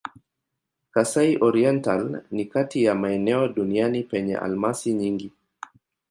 Kasai-Oriental ni kati ya maeneo duniani penye almasi nyingi.